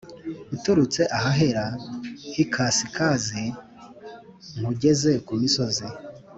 Uturutse ahahera h ikasikazi nkugeze ku misozi